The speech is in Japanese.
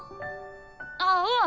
あっうん。